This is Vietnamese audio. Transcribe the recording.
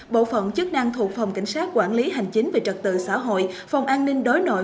bộ phận chức năng thuộc phòng cảnh sát quản lý hành chính về trật tự xã hội phòng an ninh đối nội